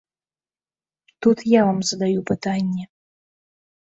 Тут я вам задаю пытанні.